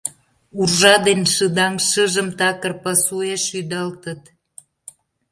Уржа ден шыдаҥ шыжым, такыр пасуэш ӱдалтыт.